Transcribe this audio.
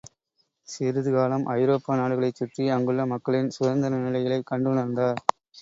சிறிது காலம் ஐரோப்பா நாடுகளைச் சுற்றி அங்குள்ள மக்களின் சுதந்திர நிலைகளைக் கண்டுணர்ந்தார்.